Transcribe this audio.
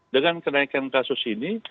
dengan kenaikan kasus ini